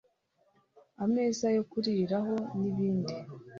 ameza yokuriraho n'ibindi